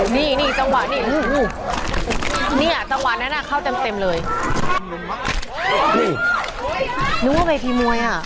เนี้ยตั้งวันนั้นอ่ะเข้าเต็มเต็มเลยนึกว่าไปทีมวยอ่ะ